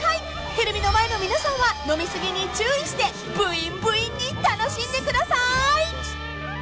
［テレビの前の皆さんは飲み過ぎに注意してブインブインに楽しんでください］